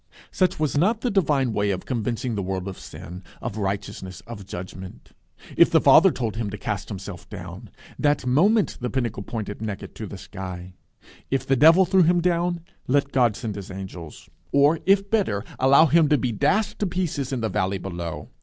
Such was not the divine way of convincing the world of sin, of righteousness, of judgment. If the Father told him to cast himself down, that moment the pinnacle pointed naked to the sky. If the devil threw him down, let God send his angels; or, if better, allow him to be dashed to pieces in the valley below.